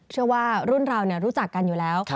เชื่อว่ารุ่นเรารู้จักกันอยู่แล้ว